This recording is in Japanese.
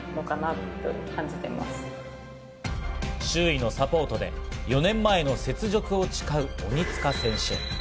周囲のサポートで４年前の雪辱を誓う鬼塚選手。